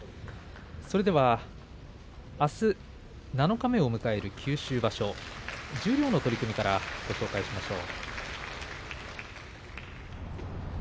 あす七日目を迎える九州場所十両の取組からご紹介しましょう。